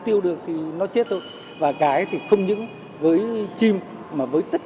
theo ước tính mỗi năm có khoảng một năm triệu động vật trên biển